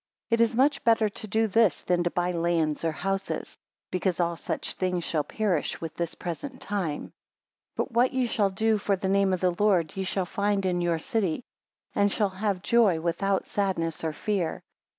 It is much better to do this, than to buy lands or houses; because all such things shall perish with this present time. 9 But what ye shall do for the name of the Lord, ye shall find in your city, and shall have joy without sadness or fear.